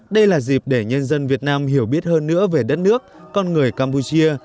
đây là dịp để nhân dân việt nam hiểu biết hơn nữa về đất nước con người campuchia